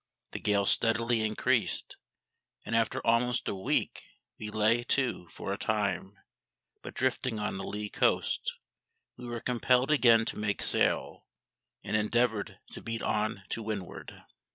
The gale steadily increased, and after almost a week we lay to for a time; but drifting on a lee coast, we were compelled again to make sail, and endeavoured to beat on to windward.